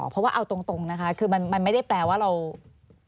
เพราะว่าเอาตรงนะคะคือมันไม่ได้แปลว่าเรา